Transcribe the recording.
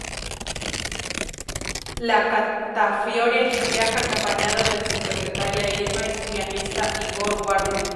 La Castafiore viaja acompañada de su secretaria Irma y su pianista Igor Wagner.